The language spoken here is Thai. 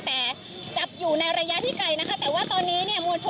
เริ่มแปดกลยูแล้วนะคะน่าจะเป็นการส่งสัญญาณมาทางจากตำรวจนะคะ